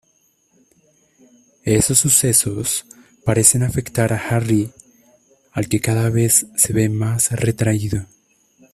Esos sucesos parecen afectar a Harry, al que cada vez se ve más retraído.